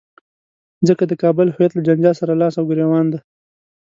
ځکه د کابل هویت له جنجال سره لاس او ګرېوان دی.